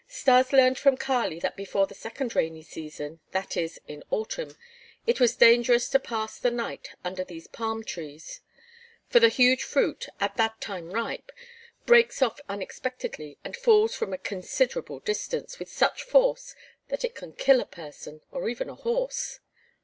Stas learned from Kali that before the second rainy season, that is, in autumn, it was dangerous to pass the night under these palm trees, for the huge fruit, at that time ripe, breaks off unexpectedly and falls from a considerable distance with such force that it can kill a person or even a horse.